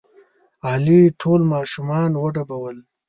علي ټول ماشومان وډبول.